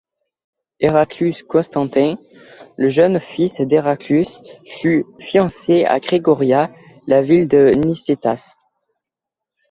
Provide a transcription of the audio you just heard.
Héraclius Constantin, le jeune fils d'Héraclius, fut fiancé à Grégoria, la fille de Nicétas.